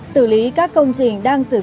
sử lý các công trình